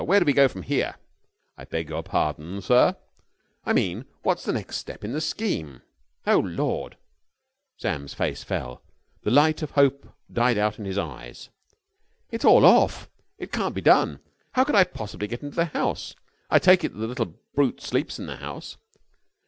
Where do we go from here?" "I beg your pardon, sir?" "I mean, what's the next step in the scheme? Oh, Lord!" Sam's face fell. The light of hope died out of his eyes. "It's all off! It can't be done! How could I possibly get into the house? I take it that the little brute sleeps in the house?"